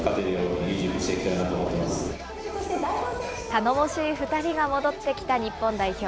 頼もしい２人が戻ってきた日本代表。